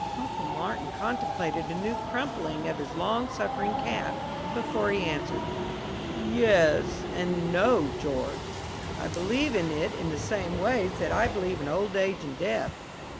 Uncle Martin contemplated a new crumpling of his long suffering cap before he answered. "Yes and no, George. I believe in it in the same way that I believe in old age and death.